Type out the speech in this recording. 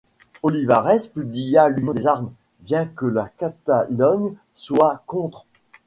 Olivares publia l'Union des Armes, bien que la Catalogne soit contre.